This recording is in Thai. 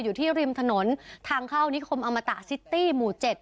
อยู่ที่ริมถนนทางเข้านิคมอมตะซิตี้หมู่๗